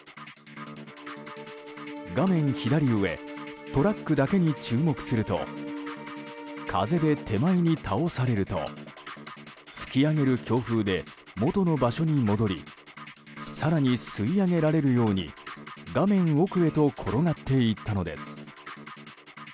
画面左上トラックだけに注目すると風で手前に倒されると吹き上げる強風で元の場所に戻り更に吸い上げられるように画面奥へと転がっていったのです。